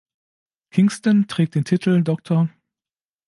Kingston trägt den Titel "„Dr.